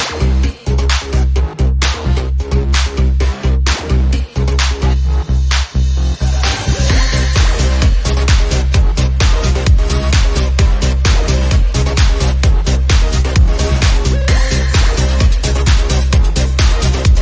มันเกิดขึ้นมาแล้วก็ต้องรับความผิดตามกฎหมายเหมือนกันอยากให้การร่วมรวดสังคมไม่ต้อง